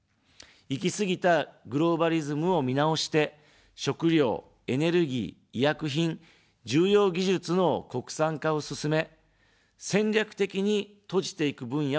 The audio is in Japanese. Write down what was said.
行き過ぎたグローバリズムを見直して、食料、エネルギー、医薬品、重要技術の国産化を進め、戦略的に閉じていく分野を作る。